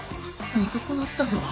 見損なったぞ。